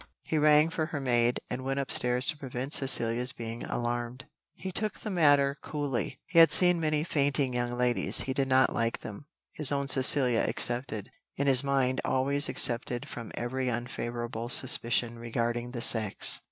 He rang for her maid, and went up stairs to prevent Cecilia's being alarmed. He took the matter coolly: he had seen many fainting young ladies, he did not like them his own Cecilia excepted in his mind always excepted from every unfavourable suspicion regarding the sex.